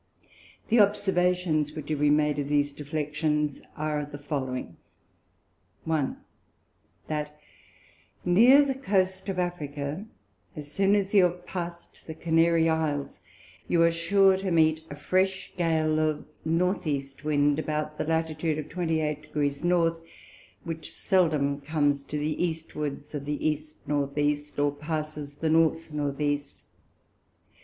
The Observations which have been made of these Deflections, are the following. 1. That near the Coast of Africa, as soon as you have pass'd the Canary Isles, you are sure to meet a fresh Gale of North East Wind, about the Latitude of 28 Degrees North, which seldom comes to the Eastwards of the East North East, or passes the North North East.